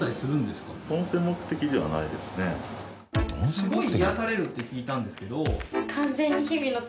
すごい癒やされるって聞いたんですけど。